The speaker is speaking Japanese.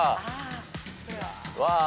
わあ。